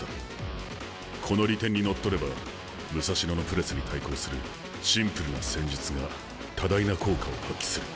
この利点にのっとれば武蔵野のプレスに対抗するシンプルな戦術が多大な効果を発揮する。